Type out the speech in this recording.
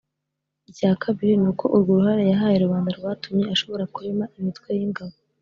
icya kabiri ni uko urwo ruhare yahaye rubanda rwatumye ashobora kurema imitwe y'ingabo